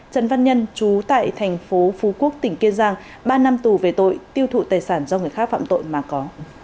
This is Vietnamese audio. trần văn nhân chú tại thành phố phú quốc tỉnh kiên giang ba năm tù về tội tiêu thụ tài sản do người khác phạm tội mà có